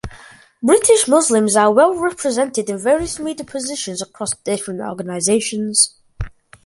British Muslims are well represented in various media positions across different organisations.